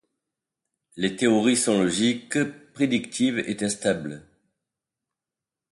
Les théories sont logiques, prédictives et testables.